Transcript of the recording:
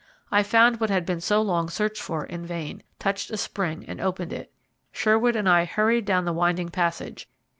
I found what had been so long searched for in vain, touched a spring, and opened it. Sherwood and I hurried down the winding passage.